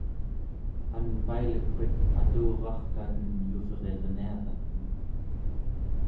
anvailegpet aturarkaten yuvrirniaraten